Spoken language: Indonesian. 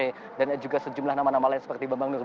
yang terakhir adalah yang terakhir